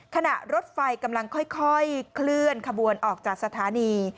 ขณะรถไฟกำลังค่อยเคลื่อนขบวนออกจากสถานี